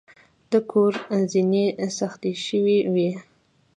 د کور زینې سختې شوې وې.